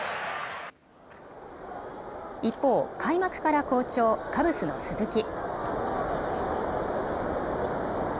一方、開幕から好調、カブスの鈴木。